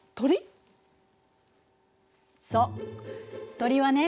鳥はね